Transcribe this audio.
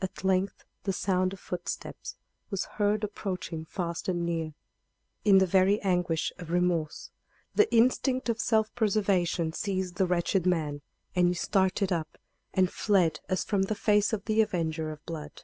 At length the sound of footsteps was heard approaching fast and near. In the very anguish of remorse the instinct of self preservation seized the wretched man, and he started up and fled as from the face of the avenger of blood.